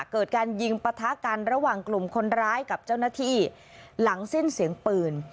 เกิดการยิงปะทะกันระหว่างกลุ่มคนร้ายกับเจ้าหน้าที่หลังสิ้นเสียงปืน